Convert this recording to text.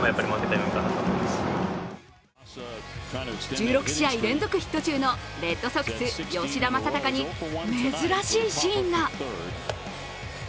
１６試合連続ヒット中のレッドソックス・吉田正尚に珍しいシーンが。